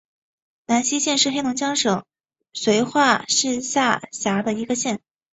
兰西县是黑龙江省绥化市下辖的一个县。